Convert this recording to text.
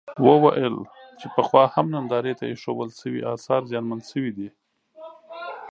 وویل چې پخوا هم نندارې ته اېښودل شوي اثار زیانمن شوي دي.